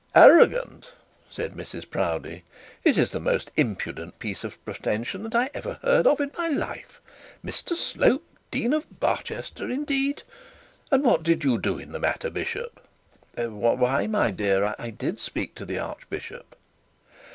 'Arrogant!' said Mrs Proudie; 'it is the most impudent piece of pretension I ever heard in my life. Mr Slope dean of Barchester, indeed! And what did you do in the matter, bishop?' 'Why, my dear, I did speak to the archbishop.'